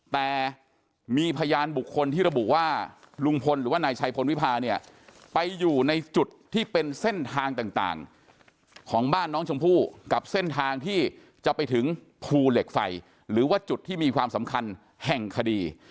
แต่มีพยานบุคคลที่ระบุว่าลุงพลหรือว่านายชัยพลวิพาเนี่ยไปอยู่ในจุดที่เป็นเส้นทางต่างของบ้านน้องชมพู่กับเส้นทางที่จะไปถึงภูเหล็กไฟหรือว่าจุดที่มีความสำคัญแห่งคดี